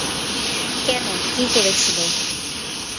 কেন, কী করেছিল।